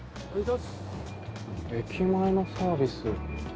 駅前のサービス。